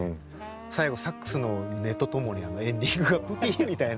最後サックスの音とともにエンディングが「プピ」みたいな。